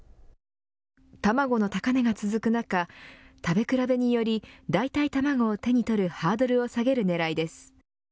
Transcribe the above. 卵の高値が続く中食べ比べにより代替卵を手に取るハードルを下げる狙いです。